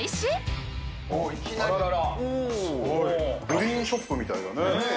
グリーンショップみたいだね。